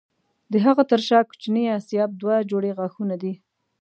د هغه تر شا کوچني آسیاب دوه جوړې غاښونه دي.